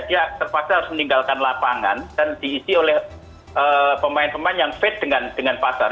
dia terpaksa harus meninggalkan lapangan dan diisi oleh pemain pemain yang faith dengan pasar